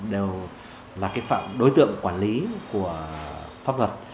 đều là đối tượng quản lý của pháp luật